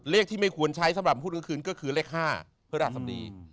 เลขที่ไม่ควรใช้สำหรับหุ้นกลางคืนก็คือเลข๕พระราชสมดี